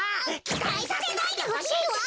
きたいさせないでほしいってか！